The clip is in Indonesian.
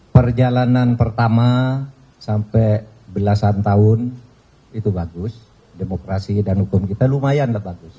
perjalanan pertama sampai belasan tahun itu bagus demokrasi dan hukum kita lumayan lah bagus